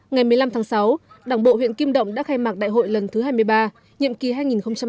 ngày một mươi năm tháng sáu đảng bộ huyện kim động đã khai mạc đại hội lần thứ hai mươi ba nhiệm kỳ hai nghìn hai mươi hai nghìn hai mươi năm